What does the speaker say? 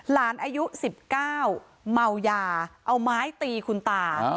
อายุ๑๙เมายาเอาไม้ตีคุณตา